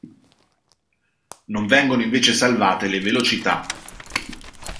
Non vengono invece salvate le velocità.